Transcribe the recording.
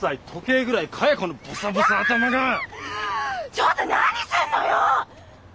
ちょっと何すんのよ！